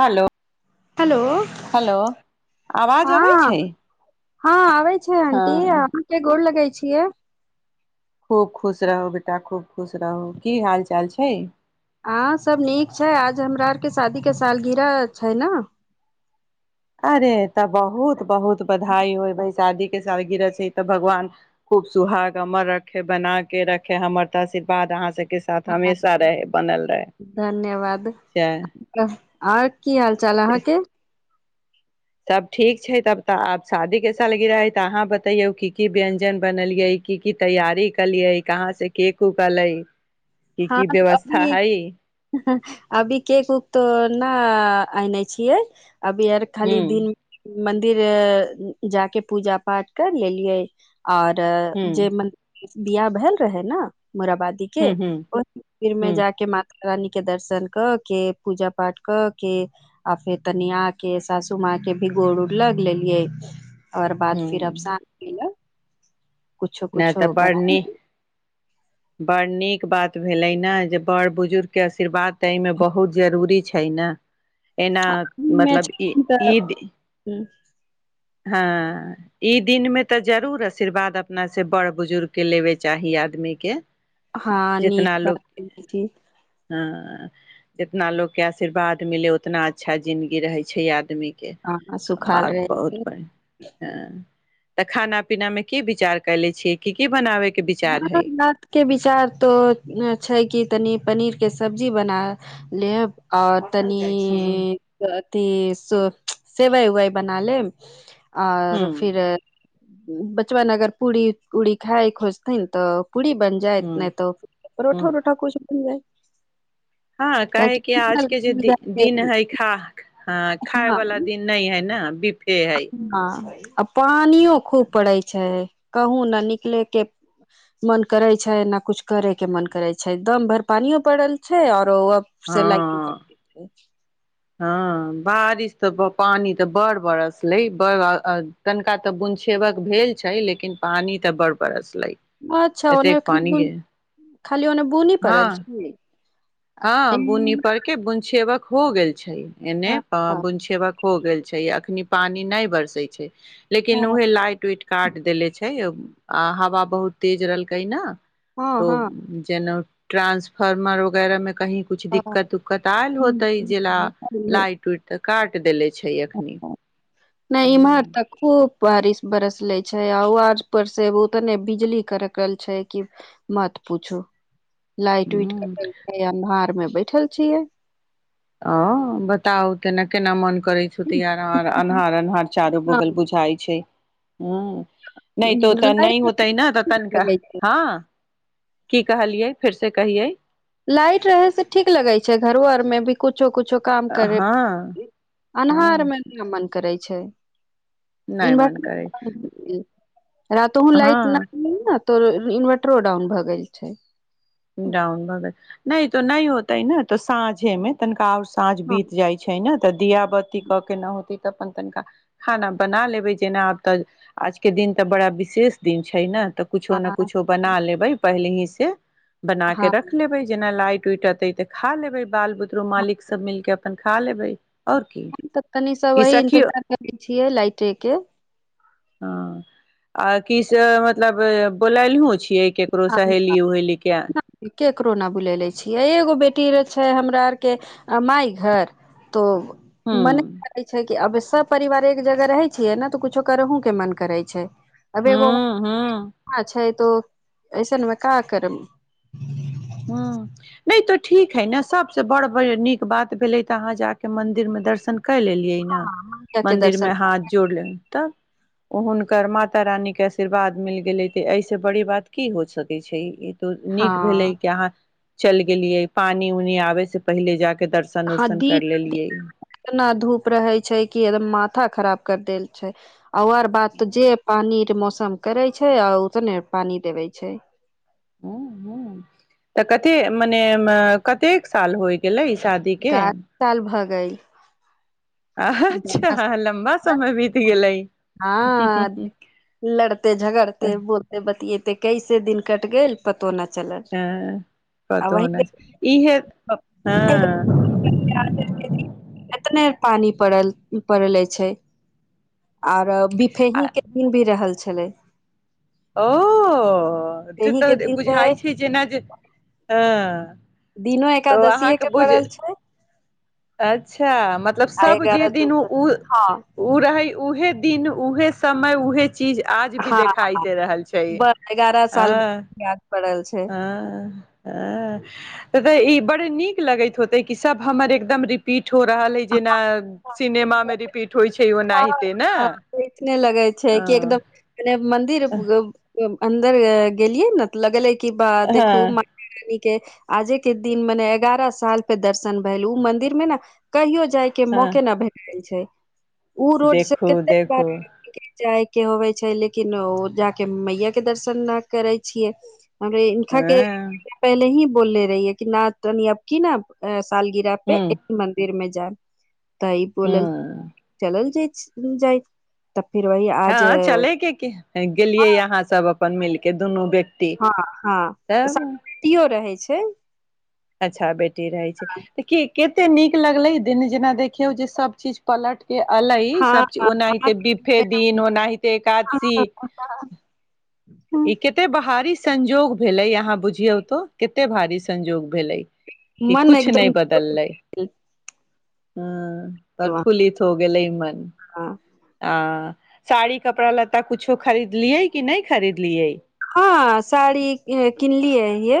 Hello hello hello आवाज अबय हँ छैक हँ आबे [unintelligible] आंटी के गोर लगैत छीक छियै खूब खुश रहू बेटा खूब खुश रहू की हाल चाल छैक। आ सभ नीक छैक आइ हमरा आरकेँ शादीे सालगिरह छैक न। अरे तऽ बहुत बहुत बधाई होय भ शादी केँ सालगिरह केँ तऽ भगवान खूब सुहाग अमर रखे बना केँ रखे हमर तऽ आशीर्वाद अहाँ सब धन्यवाद छै आउर की हालचाल अहाँके। सभ ठीक छै तब तऽ आब शादी केँ सालगिरह अइ तऽ अहाँ बततैयो की की व्यञ्जन बनलियै की की तैयारी केलियै कहाँस केक उक अलै। कि हँ कि व्यवस्था अभी अछि। अभी केक उक तऽ नहि आनने छियैक। अभी हूँ खाली दिन मंदिर जाकेँ पूजा पाठ कर लेलियै। आर हूँ जे मन बिआह भेल रहै न। मोराबादी केँ हूँ हूँ आ मन्दिर मे हूँ जाकेँ रानी केँ दर्शन कऽ केँ पूजा पाठ क केँ आ फेर तनि आकेँ सासू माँ के भी गोड़ उड़ लग लेलियै। ओर बाद फिर अब हूँ सांझमे नहि तऽ लेलियै। बरनीक बात भेलै ने जे बड़ बुजुर्ग केँ आशीर्वाद तऽ एहिमे बहुत जरूरी छैक ने। एना हँ मैच मतलब ई तऽ ईद- हँ ई दिनमे तऽ जरूर आशीर्वाद अपनासँ बड़ बुजुर्गकेँ लेबय चाही आदमीकेँ। हँ नीक बात। हँ जितना लोग केँ आशीर्वाद मिलय उतना अच्छा जिन्दगी रहय छैक हँ सुखाल रहिकेँ बढ़िया हँ तऽ खाना पीना में की विचार कले छियै की की बनाबे के विचार ह हय बात के विचार तो छै कि तनी पनीर के सब्जी बना लेब आओर तनी हूँ त सेवइ उवइ बना लेब हूँ आओर फिर बचवन अगर पूरी पूरी खााय खोज नहि तऽ पू्री बन जायएत हूँ नै त हूँ परोठा उरोठा कुछ बन जाएत हँ काहे कि आजके जे कियाकि दिन हय खा खााय वाला दिन नहि है ने है ह अपा पानियो खूब पड़ै छै कहूँ ने निकले के मन करे छै ने कुछ करे के मन करे छै दम भर पानियो पड़ल छै आओर तो अब सिलाइ की हँ कर हँ बारिश तऽ पानि तऽ बड़ बरसलै बड़ तनिका तऽ बुनछेबक भेल छै लेकिन पानि तऽ बड़ बरस अच्छा ओने खाली ओने बुनी पड़ल हँ छै हँ बुनी पड़के बुन छ ब हो गेल छै एने ब बुनछियबक हो गेल छै अखनी पानि नहि बरसै छै लेकिन उहे लाइट उइट काट देले छै आ हवा बहुत तेज रहलकै न हँ तऽ हँ हँ जेना ट्रानंसफार्मर वगैरमे की कुछ हँ दिक्कत उक्कत आयल होते ज ला लाइट उइट तक काट द लै नहि एम्हर त खूब बारिश बरस ले छै आ आज पर से उतने बिजली खड़क छै कि मत पूछू लाइट ह उइट करेलै अन्हार मे बैठल छियै ओ बताउ केना केना मन करै छै आ अनहार- अनहार चारू लाइट बगल बुझाय छैक। ह नहि तऽ ओतय नहि होतय न त तनिका लगे छै की कहलियै फेर से कहियै लाइट रहै सँ ठीक लगै छै घरो सबमे भी कुछो कुछो [unintelligible] काम करे हँ हँ अन्हार मे मन करै छैक नहि मन करै इन्वर्टर रात ह हँ लाइट न [unintelligible] इन्वर्टरो डाउन भऽ गेल छैक डाउन भ गेल नहि होतय न त साँझेमे तनिका साँझ हँ बीत जाय छैक न तऽ दिया बाती क केंं न होतय त। तऽ अपन तनिका खाना बना लेबय जेना आब तऽ आजकेँ दिन तऽ बड़ा विशेष दिन छैक ने। तऽ कुछो आ ने हँ कुछो बना लेबय पहिले से। क [inaudible] बनाकेँ हँ रख लेबय जेना लाइट टू ते तऽ खा लेबै [unintelligible] बाल बुतरो मालिक सब मिलकेँ। तनिका खा लेबय। हम तऽ तनि सब वही इन्तजार करै छियैक लाइटेकेँ हँ आ कि से मतलब बोललहो छियैक क केकरो सहेली उहेली के केकरो नहि बुलेले छियैक एगो बेटी छै हमरा आरकेँ [unintelligible] माइ घर तो हूँ मने लै छै कि अब सब परिवार एक जगह रहै छियै ने तऽ कुछो करहुँ केँ मन करै छैक। अबगो हूँ हूँ छै [unintelligible] तऽ [inaudible] ऐसन मे का करब ह्म नहि तऽ ठीक हइ ने सभसँ बड़ नीक बात भेलै जे अहाँ जा कऽ मन्दिरमे दर्शन क लेलियै ने मैया के मंदिर दर्शन मे हाथ जोड़ ले तऽ ओ हुनकर माता रानी केँ आशीर्वाद मिल गेलै त एहिसँ बड़ बात की हो सकय छैक। त हँ नीक भेलैक चलि गेलियै पानि उनी आबे से पहिले जााक ह दी दी इतना धूप रहय छैय कि माथा खराब कर देल छैय। आओर बात त जे पानी रे मस सम करै छैय आ उ तने पानी देबै छैय। ह ह तऽ कते मने म कतेक साल होइ गेलै शादी के [unintelligible] गइ अच्छा लम्बा समय बीत [unintelligible] गेलै हँ लड़ते झगड़ते बोलते बतियाएते कैसे दिन कटि गेल प हँ वही देख [unintelligible] इहे हँ एतने पानी पड़ल पड़ले छैय आऔर आ बिफेही के दिन भी रहल छलै ओ त एहि के तऽ दिन छै बुझाइ छैय जेना जे आ दिनो एकादशीए के पड़ल छैय अच्छा मतलब सब जे दू दिन उ उ हँ ओ रहै उहेिन दिन उहे समय उहे चीज आज भी हँ देखाई हँ रहल छैय बस एगारह साल याद पड़ल छै अ-अ-अ तऽ ई बड़ नीक लगैत होतै कि सब हमर एकदम रिपीट हो रहल हय जेना सिनेमा मे रिपीट होइ छैय हँ- हँ नीक नहि लगै छैय कि हँ एकदम [unintelligible] [unintelligible] अन्दर ग गेलियै नेऽ त लगलै कि बा हँ देखू [unintelligible] के आजे के दिन मने एगार साल पै दरसन भेल उ मंदिर में न कहियो जे जाय के हँ मौके न भेटल छैय। ओ रोड से देखू कते बार देखू [unintelligible] जाय के होबे छै लेकिन ओ जाक मैया के दर्शन नहि करै छियै हमरे इनका के हँ पहिले ही बोल ले रही है कि न तनी अब की न सालगिराह पे हूँ एक मन्दिर मे जा तइपोलल हूँ चलल जेछ जाइ त हँ चले के गेलियै अहाँ सब अपन मेलके दुनु बै हँ हँ संग बेटियो रहे। छै अच्छा बेटी रहै छै तऽ की कते नीक लगलै दिन जेना देखियौ जे सब चीज पलट अलै हँ सबचीज हँ ओनाहिते अहाँके बिफे दिन ओनाहिते ए‌कादशी एक तऽ बहारी संजोग भेले यहाँ बुझियऔ तो कते भारी संजोग भेलै कि मन किुछु नहि एकदम बदललै हँ परफुलित हो गेलय मन हँ आ साड़ी कपड़ा लत्ता कुछो खरीदलियै की नहि खरीदलियै हँ साड़ी किनली है ये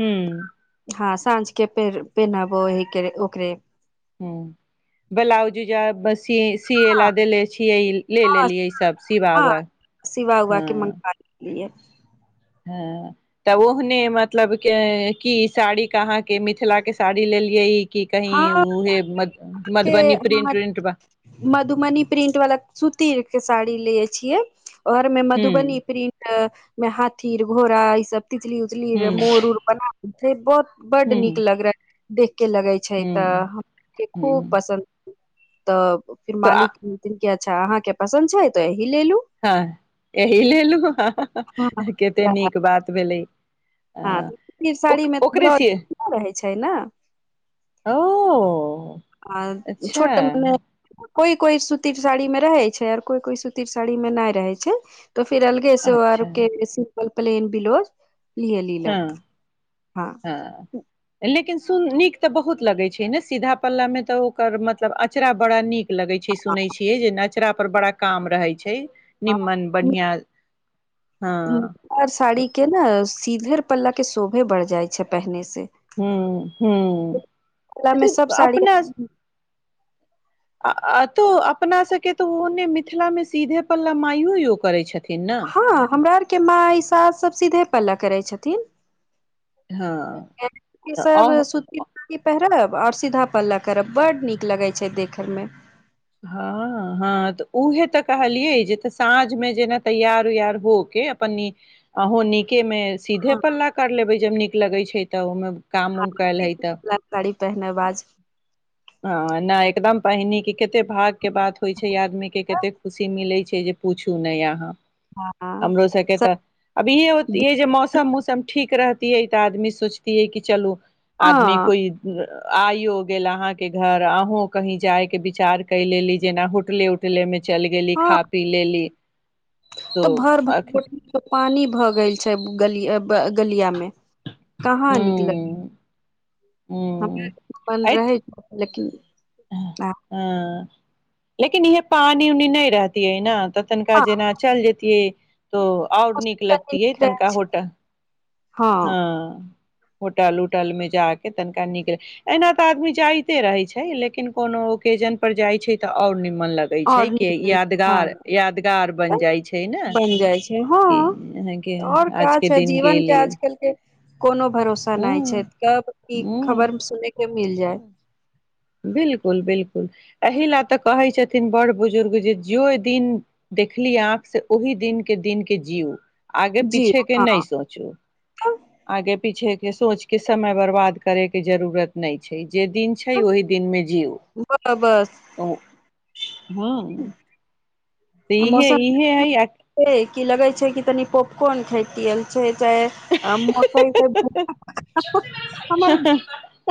हू हँ साँझ के पेनाबो ह ओकरे हँ ब्लाउज जा बस सि सिए हँ लए दे छियै ले हँ लेलियै ईसभ हँ सिववर सिवा उवा के हँ मंगा लेलियै हँ तऽ ओहने मतलब की साड़ीके अहाँके मिथिलाके साड़ी लेलियै ई हँ मधुबनी ह प्रिंट उ्रिंट बा मधुवनी प्रिंट वला सूती साड़ी लै छियै आओरमे हूं मधुबनी प्रिंट मे हाथी घोड़ा ई सब उजली उजली ले हूं मोर उर बना के ते बहुत बड्ड हूं नीक लग रहा देखके लगय छै तऽ हूं हम हूं खूब पसन्द तऽ [inaudible] फर [unintelligible] तऽ आ मालिक की अच्छा अहाँके पसन्द छै तो हँ अहि ले लू हँ कते नीक बात भेलैक। हँ तऽ साड़ीमे तऽ ब्लाउज सिय पुरा रहैत छैक ने ओ आ अच्छा छोट मने कोइ कोइ सुती साड़ी मे रहय छैक आ कोइ कोइ सूती साड़ी मे नहि रहय छैक। त फिर अलगेसँ ओ अच्छा आरकेँ क्वपलेन बिलो [unintelligible] हँ हँ लेकिन नीक तऽ बहुत लगय छैक ने सीधा पल्ला मे ते ओकर मतलब अचरा बड़ा नीक। लगै छैक सुनय छियैक जेना कचड़ पर बड़ा काम रहै छै [unintelligible] निम्मन बढ़िआँ मिथिला साड़ी केँ न सीधे पल्ला केँ शोभे बढ़ जाय छै पहने से। हू हू पल्ला ई मे तऽ सब साड़ी अपना आ तो अपना सभकेँ तऽ ओने मिथिलामे सीधे पल्ला माइयो सभ करैत छथिन। ने हँ हमरा आरकेँ के माई सास सब सीधे पल्ला करैत छथिन हँ तऽ सब अह सूती साड़ी पहिरब आओर सीधा पल्ला करब बड्ड नीक लगैत छैक देखयमे हँ हँ तऽ उहे तऽ कहलियै जे तऽ साँझमे जेना तैयार हो केँ अपन अहुँ निकेमे सीधे ह पल्ला कर लेब जब नीक लगय छैक तऽ ओहिमे काम उम कयल हइ तब पहिहने बाज हँ नहि एकदम पहिनी, कतेक भागकेँ बात होइत छैक आदमीकेँ कतेक खुशी मिलैत छैक जे पूछू नहि अहाँ हँ हमरो सभकेँ स- त अब इहे जे मौसम औसम ठीक रहते तऽ आदमी सोचतियै कि चलू आदमी हँ कोइ आइयो गेल अहाँके केँ घर अहूँ कही जाय केँ विचार क लेली जेना होटले उटले मे चलि गेली हँ खा पी लेली तो तऽ भर अखन भर [unintelligible] पानी भऽ गेल छैक गलियामे कहाँ हूँ निकलग हूँ हमरा लग रहय लेकिन हँ आ [inaudible] लेकिन इहे पानी उनी नहि रहती न तऽ तनिका जेना चलि जतियै त और नीक आओर लगतीयै नीक रहे तनिका छै। होटल हँ [inaudible] होटल उटल मे जा कऽ तनिका नीक लगैत एना तऽ आदमी जाइते रहैत छैक लेकिन कोनो ओकेजन पर जाइत छैक तऽ और मन लगै छै केँ यादगार बन जाइ छैक बनि जाइ छै हँ ने कि आओर आज का केँ छै दिन केँ जीवन के लेल आजकल के कोनो भरोसा नहि छैक कब कि हूँ खबर सुनय केँ मिल जाय बिल्कुल बिल्कुल एहि लय तऽ कहै छथि छतिन बड़ बुजुर्ग जे जइ दिन देखली आँख से ओहि दिनक दिनकेँ जीयू आगे जी पीछे केँ नहि हँ सोचू त- आगे पीछे केँ सोच केँ समय बर्बाद करय केँ जरूरत नहि छैक जे दिन छैक ओहि दिनमे जीयू त- बस ऽ इहे मौसम इहे हइ अ [unintelligible] छै कि लगय छैक तनि पॉपकर्न खेतियै मक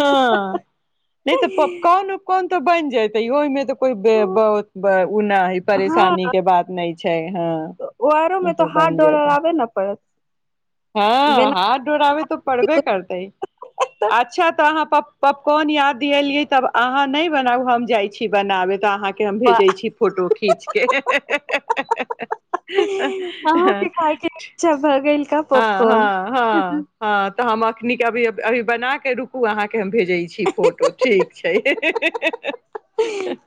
हँ नहि तऽ [inaudible] [inaudible] पॉपकॉर्न उपकॉर्न तऽ बन जाइतै ओहिमे त को बहुत हँ परेशानी केँ बात नहि छैक हँ आरो मे ओ तो तऽ हाथ बनि जेतय। डोराबे न पड़त हँ बिना हाथ डोराबे त पड़बे करतै अच्छा तऽ अहाँ पॉपकॉर्न याद दिएलियै त अहाँ नहि बनाउ हम जाय छी बनाबे त अहाँ आंहाकेँ हम भेजै छी फोटो खीचकेँ। अहूँ के खाय के इच्छा भऽ गेल का हँ पॉपकॉर्न हँ हँ हँ तऽ हम अखनि के अभी अभी बना के रुकू अहाँके हम भेजै छी फोटो ठीक छै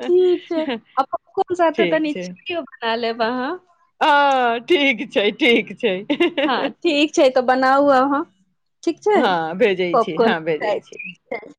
ठीक छै आ ठीक छै ह ह वाहाँ हँ ठीक छै ठीक छै हँ ठीक छै तऽ बनाउ अहाँ ठीक छै हँ भेजै छी पॉपकॉर्न हँ भेजै छी ठीक छै